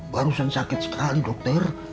barusan sakit sekali dokter